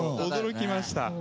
驚きました。